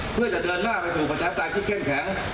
เพื่อจะเดินหน้าไปสู่ประชาปไตยที่เข้มแข็ง